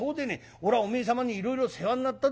おらおめえ様にいろいろ世話になったでね。